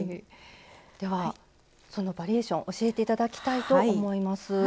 では、そのバリエーション教えていただきたいと思います。